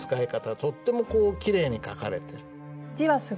とってもこうきれいに書かれてる。